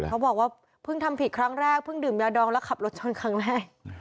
เขาบอกว่าเพิ่งทำผิดครั้งแรกเพิ่งดื่มยาดองแล้วขับรถชนครั้งแรก